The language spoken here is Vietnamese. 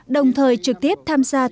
đồng thời trực tiếp tham gia tình hữu nghị